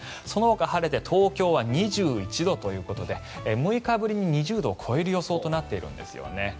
そのほか晴れて東京は２１度ということで６日ぶりに２０度を超える予想となっているんですね。